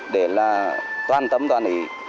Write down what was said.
để là toàn tâm toàn ý